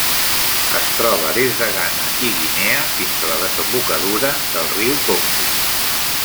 Es troba des de Ghana i Guinea fins a la desembocadura del riu Congo.